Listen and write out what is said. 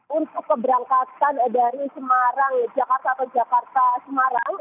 untuk keberangkatan dari semarang jakarta atau jakarta semarang